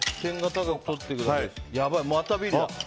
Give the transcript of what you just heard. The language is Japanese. やばい、またビリだ。